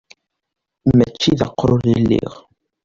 Mačči d aqrur i lliɣ.